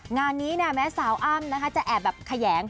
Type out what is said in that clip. งานนี้แม้สาวอ้ำจะแอบแบบขยัง